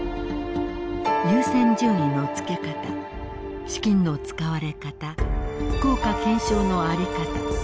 優先順位のつけ方資金の使われ方効果検証のあり方。